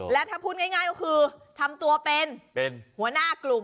และถ้าพูดง่ายก็คือทำตัวเป็นหัวหน้ากลุ่ม